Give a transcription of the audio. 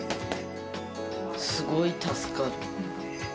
すごい助かる。